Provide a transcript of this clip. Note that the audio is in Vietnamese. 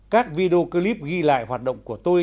các video clip ghi lại hoạt động của tôi